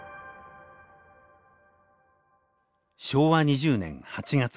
昭和２０年８月６日。